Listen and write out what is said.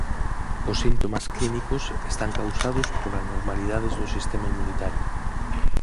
Os síntomas clínicos están causados por anormalidades do sistema inmunitario.